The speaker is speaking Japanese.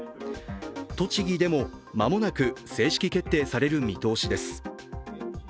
栃木でも間もなく正式決定される見通しです。